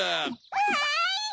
わい！